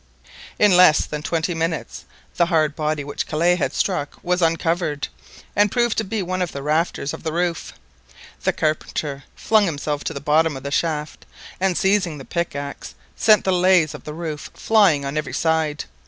In less than twenty minutes the hard body which Kellet had struck was uncovered, and proved to be one of the rafters of the roof. The carpenter flung himself to the bottom of the shaft, and seizing a pickaxe sent the laths of the roof flying on every side.